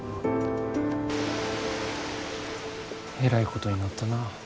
えらいことになったな。